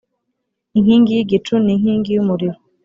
inkingi y igicu n inkingi y umuriro